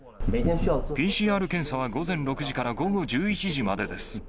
ＰＣＲ検査は午前６時から午後１１時までです。